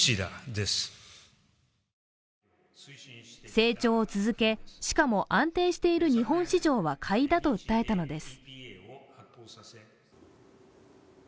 成長を続け、しかも安定している日本市場は買いだと訴えたのです。